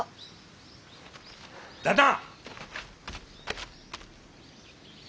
・旦那！